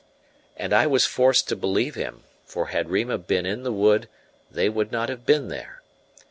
And I was forced to believe him; for had Rima been in the wood they would not have been there.